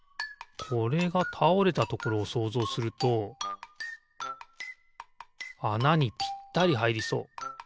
これがたおれたところをそうぞうするとあなにぴったりはいりそう。